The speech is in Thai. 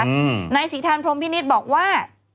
นายศรีธรพรมพินิษฐ์บอกว่า